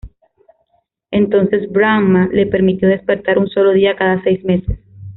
Entonces Brahmá le permitió despertar un solo día cada seis meses.